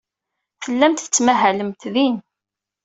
Tellamt tettmahalemt din.